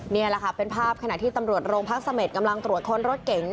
นี่แหละค่ะเป็นภาพขณะที่ตำรวจโรงพักเสม็ดกำลังตรวจค้นรถเก๋ง